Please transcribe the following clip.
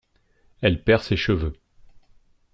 Elle perd ses cheveux.